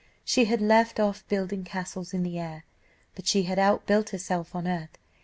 She had left off building castles in the air, but she had outbuilt herself on earth.